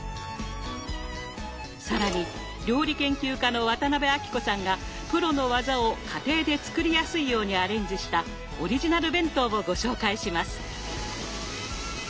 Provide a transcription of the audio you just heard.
更に料理研究家の渡辺あきこさんがプロの技を家庭で作りやすいようにアレンジしたオリジナル弁当をご紹介します。